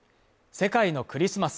世界のクリスマス